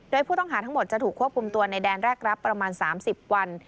โดยผู้ต้องหาทั้งหมดจะถูกควบคุมตัวในแดนแรกรับประมาณ๓๐วัน